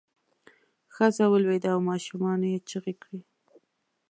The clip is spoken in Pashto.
ښځه ولویده او ماشومانو یې چغې کړې.